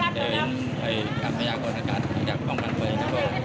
เดินไปกลับที่อเมริกาก่อนอากาศจะกลับต้องกันไปนะครับ